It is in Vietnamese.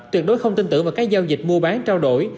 tuyệt đối không tin tưởng vào các giao dịch mua bán trao đổi